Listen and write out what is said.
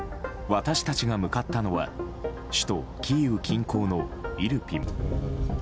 私たちが向かったのは首都キーウ近郊のイルピン。